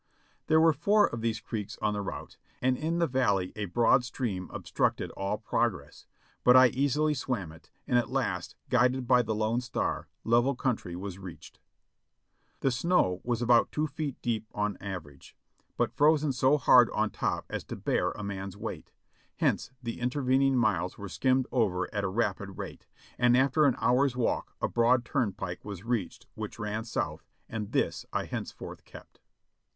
There were four of these creeks on the route, and in the valley a broad stream obstructed all progress, but I easily swam it, and at last, guided by the lone star, level country was reached. The snow was about two feet deep on an average, but frozen so hard on top as to bear a man's weight, hence the intervening miles were skimmed over at a rapid rate, and after an hour's wafk 33 514 JOHNNY REB AND BILLY YANK a broad turnpike was reached wliich ran south, and this I hence forth kept.